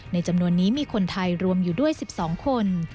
จำนวนนี้มีคนไทยรวมอยู่ด้วย๑๒คน